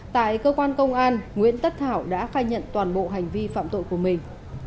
tại cơ quan công an nguyễn tất thảo đã khai nhận toàn bộ hành vi phạm tội của mình